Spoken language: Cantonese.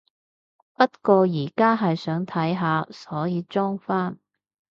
不過而家係想睇下，所以裝返